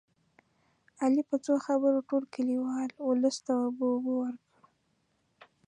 علي په څو خبرو ټول کلیوال اولس ته اوبه اوبه کړل